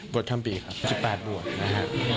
บวชข้ามปีครับ๑๘บวชนะครับ